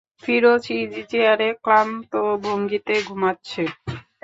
ফিরোজ ইজিচেয়ারে ক্লান্ত ভঙ্গিতে ঘুমাচ্ছে।